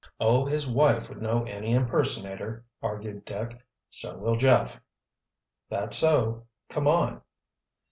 "Oh, his wife would know any impersonator," argued Dick. "So will Jeff." "That's so. Come on."